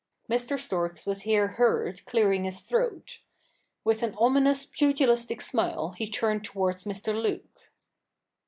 Mr. Storks was here heard clearing his throat. With an ominous pugilistic smile he turned towards Mr. Luke.